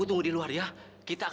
terima kasih allah